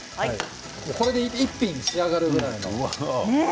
これで一品仕上がるくらいの。